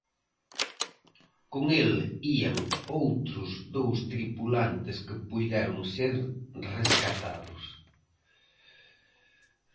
Con el ían outro dous tripulantes que puideron ser rescatados.